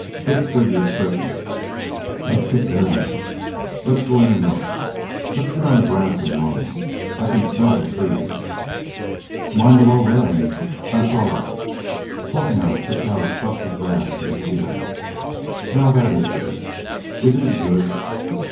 Dick's figure straightened. "Let's get near 'em. Let's go in and look. Let's get on the grass and run. I can smell the trees." "Mind the low railing. That's all right!" Torpenhow kicked out a tuft of grass with his heel. "Smell that," he said. "Isn't it good?"